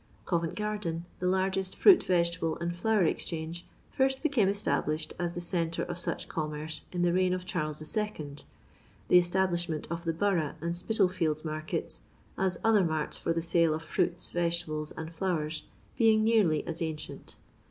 Covent Garden — the largest Fruit, Vegetable, and Flower Exchange — first became established as the centre of such com merce in the reign of Charles II. ; the establish ment of the Borough and Spitalfields markets, as other marts for the sale of fruits, vegetables, and flowers, being nearly as ancient.